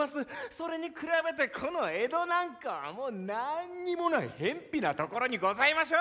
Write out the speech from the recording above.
それに比べてこの江戸なんかはもうなんにもないへんぴなところにございましょう！